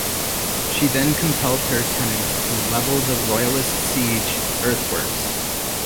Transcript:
She then compelled her tenants to level the Royalist siege earthworks.